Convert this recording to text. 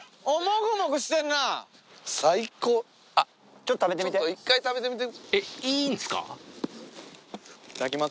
ちょっと一回食べてみて。